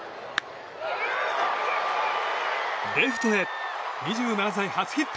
レフトへ２７歳初ヒット！